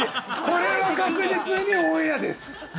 これは確実にオンエアです。